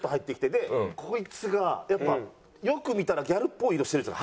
でこいつがやっぱよく見たらギャルっぽい色してるんですよ